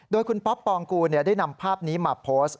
โดยคุณป๊อปปองกูได้นำภาพนี้มาโพสต์